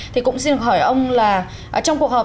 thì cũng xin được hỏi ông là trong cuộc họp